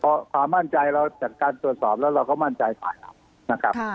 เพราะความมั่นใจเราจากการตรวจสอบแล้วเราก็มั่นใจฝ่ายเรานะครับ